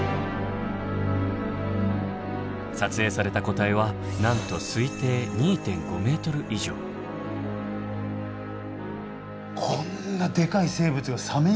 撮影された個体はなんと推定こんなでかい生物がサメ以外にいるんですね。